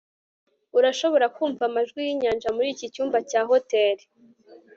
urashobora kumva amajwi yinyanja muri iki cyumba cya hoteri